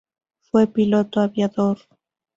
Fue piloto aviador.